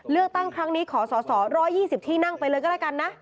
เลือกตั้งครั้งนี้ขอสอสอ๑๒๐ที่นั่งไปเลยก็แล้วกันนะ